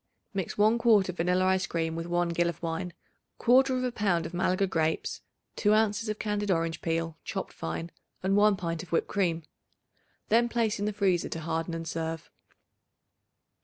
Mix 1 quart of vanilla ice cream with 1 gill of wine, 1/4 pound of Malaga grapes, 2 ounces of candied orange peel, chopped fine, and 1 pint of whipped cream. Then place in the freezer to harden and serve.